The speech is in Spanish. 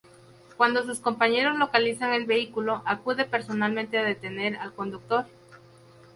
Cuando sus compañeros localizan el vehículo, acude personalmente a detener al conductor.